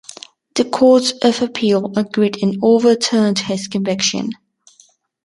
The Court of Appeal agreed and overturned his conviction.